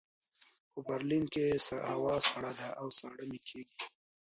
په برلین کې هوا سړه ده او ساړه مې کېږي